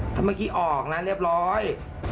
ถ้าเมื่อกี้ออกนะเรียบร้อย